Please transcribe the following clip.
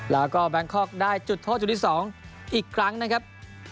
แล้วก็แบงคอกได้จุดโทษจุดที่๒อีกครั้งนะครับ